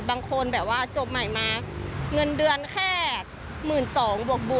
บางคนแบบว่าจบใหม่มาเงินเดือนแค่๑๒๐๐บวก